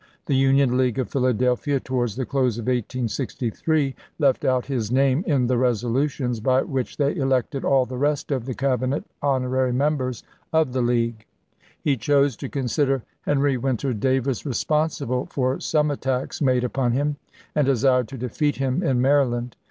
The Union League of Philadelphia, towards the close of 1863, left out his name in the resolutions by which they elected all the rest of the Cabinet honorary members of the League. He chose to consider Henry Winter Davis responsible for some attacks made upon him, and desired to defeat him in Maryland.